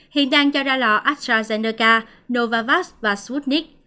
hiện đang cho ra lọ astrazeneca novavax và swutnik